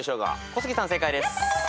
小杉さん正解です。